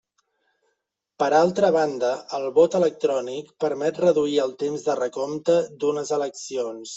Per altra banda, el vot electrònic permet reduir el temps de recompte d'unes eleccions.